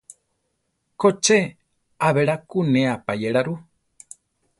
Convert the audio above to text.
Ko che, a belá ku ne apayéla ru.